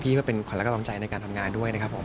เพื่อเป็นขวัญและกำลังใจในการทำงานด้วยนะครับผม